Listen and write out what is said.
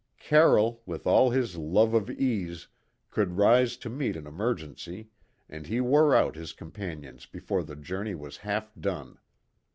Carroll, with all his love of ease, could rise to meet an emergency, and he wore out his companions before the journey was half done.